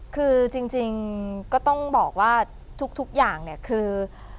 คือจริงก็ต้องบอกว่าทุกอย่างเนี่ยคือ